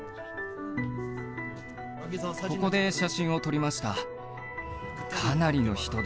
ここで写真を撮りました。